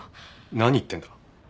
何言ってるんだ？